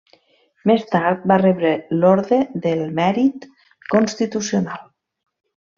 Més tard va rebre l'Orde del Mèrit Constitucional.